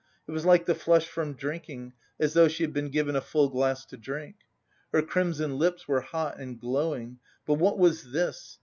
It was like the flush from drinking, as though she had been given a full glass to drink. Her crimson lips were hot and glowing; but what was this?